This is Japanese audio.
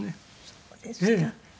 そうですか。